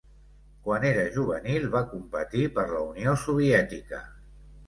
Quan era juvenil va competir per la Unió Soviètica.